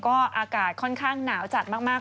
ก็อากาศค่อนข้างหนาวจัดมาก